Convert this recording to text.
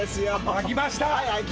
開きました。